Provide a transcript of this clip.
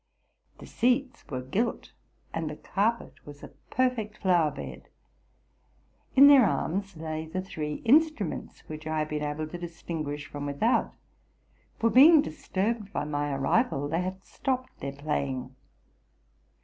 The seats were gilt, and the carpet was a perfect flower bed. In their arms 'lay the three instruments which IT had been able to distinguish from without; for, being disturbed by my arrival, they had stopped their playing.